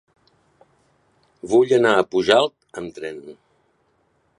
Vull anar a Pujalt amb tren.